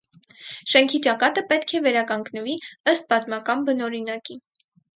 Շենքի ճակատը պետք է վերականգնվի ըստ պատմական բնօրինակի։